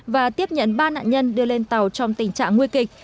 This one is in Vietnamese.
và tiếp nhận ba nạn nhân đưa lên tàu trong tình trạng nguy kịch